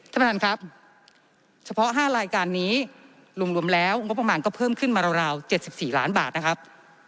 ท่านประธานครับเฉพาะ๕รายการนี้รวมแล้วงบประมาณก็เพิ่มขึ้นมาราว๗๔ล้านบาทนะครับ